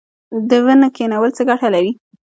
د ونو کینول څه ګټه لري؟